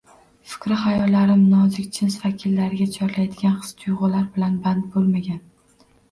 Fikri xayollarim nozik jins vakillariga chorlaydigan his-tuyg`ular bilan band bo`lmagan